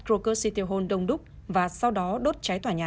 krakow city hall đông đúc và sau đó đốt trái tỏa nhà